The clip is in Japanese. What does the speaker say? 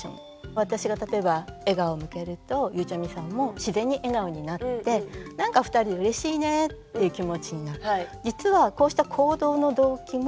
私が例えば笑顔を向けるとゆうちゃみさんも自然に笑顔になって何か２人でうれしいねっていう気持ちになる。